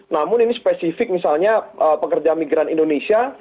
namun ini spesifik misalnya pekerja migran indonesia